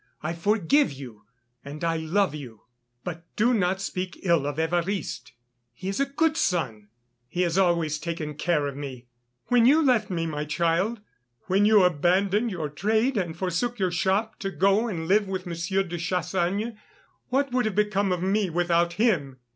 I forgive you and I love you. But do not speak ill of Évariste. He is a good son. He has always taken care of me. When you left me, my child, when you abandoned your trade and forsook your shop, to go and live with Monsieur de Chassagne, what would have become of me without him?